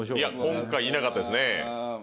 今回いなかったですね